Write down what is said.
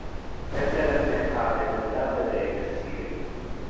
Peter me ha demandate de exir.